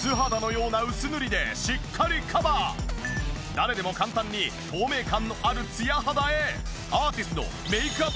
誰でも簡単に透明感のあるツヤ肌へ。